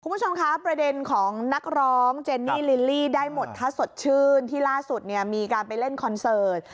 คุณผู้ชมคะประเด็นของนักร้องเจนนี่ลิลลี่ได้หมดถ้าสดชื่นที่ล่าสุดเนี่ยมีการไปเล่นคอนเสิร์ต